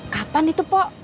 kapan itu pok